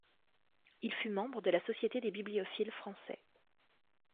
Il fut membre de la Société des bibliophiles français.